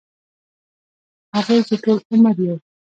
هغـې چـې ټـول عـمر يـې